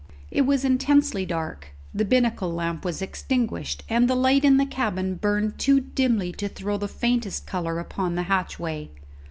It was intensely dark; the binnacle lamp was extinguished, and the light in the cabin burned too dimly to throw the faintest colour upon the hatchway.